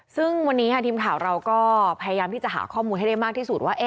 ซึ่งวันนี้ทีมข่าวเราก็พยายามที่จะหาข้อมูลให้ได้มากที่สุดว่า